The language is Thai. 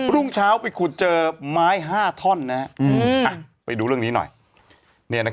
รุ่งเช้าไปขุดเจอไม้๕ท่อนไปดูเรื่องนี้หน่อย